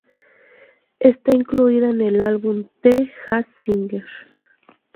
Está incluida en el álbum "The Jazz Singer".